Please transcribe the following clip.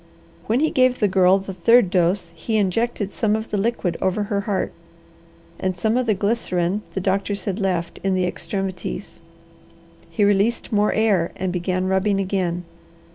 When he gave the Girl the third dose he injected some of the liquid over her heart and of the glycerine the doctors had left, in the extremities. He released more air and began rubbing again.